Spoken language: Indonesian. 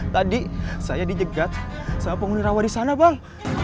tadi saya dijegat sama penghuni rawa di sana bang